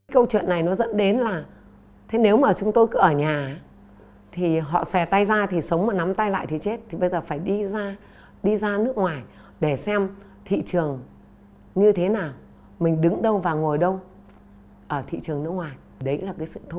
câu chuyện này nó dẫn đến là